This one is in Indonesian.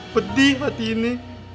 pedih hati ini